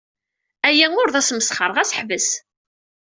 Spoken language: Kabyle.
Aya ur d asmesxer, ɣas ḥbes!